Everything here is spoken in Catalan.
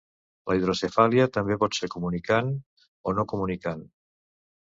La hidrocefàlia també pot ser comunicant o no comunicant.